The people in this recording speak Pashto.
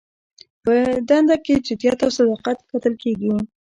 په دنده کې جدیت او صداقت کتل کیږي.